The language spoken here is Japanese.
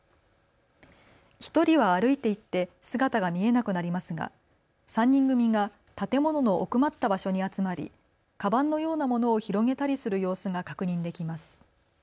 １人は歩いていって姿が見えなくなりますが３人組が建物の奥まった場所に集まりかばんのようなものを広げたりする様子が確認できます。